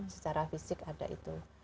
secara fisik ada itu